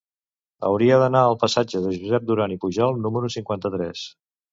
Hauria d'anar al passatge de Josep Durall i Pujol número cinquanta-tres.